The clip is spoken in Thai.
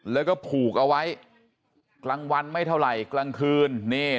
แล้วก็ผูกเอาไว้กลางวันไม่เท่าไหร่กลางคืน